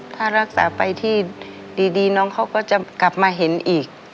ถ้ารักษาไปที่ดีน้องเขาก็จะกลับมาเห็นอีก